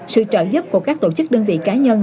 sự trợ giúp của các tổ chức đơn vị cá nhân